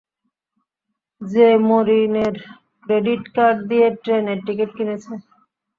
সে মরিনের credit card দিয়ে ট্রেনের টিকেট কিনেছে।